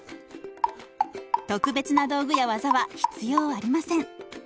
特別な道具や技は必要ありません。